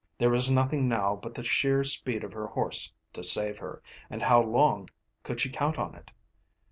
There was nothing now but the sheer speed of her horse to save her, and how long could she count on it?